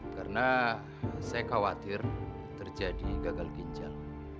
karena saya khawatir terjadi gagal ginjal